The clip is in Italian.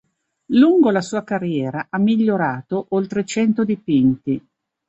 Lungo la sua carriera, ha "migliorato" oltre cento dipinti.